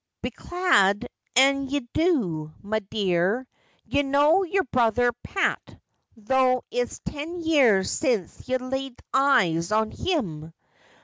'Bedad an' ye do, me dear, ye know your brother Pat, though it's ten years since ye've laid eyes on him.